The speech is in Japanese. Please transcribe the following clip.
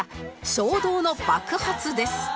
衝動の爆発です